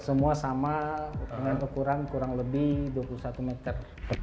semua sama dengan ukuran kurang lebih dua puluh satu meter